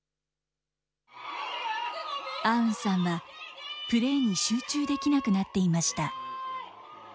アウンさんはプレーに集中できなくなっていました。